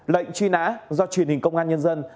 lệnh truy nã do truyền hình công an nhân dân